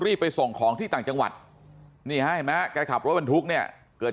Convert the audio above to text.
ไปส่งของที่ต่างจังหวัดนี่ฮะเห็นไหมแกขับรถบรรทุกเนี่ยเกิด